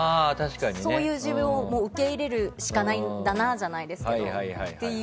そういう自分を受け入れるしかないんじゃないみたいな。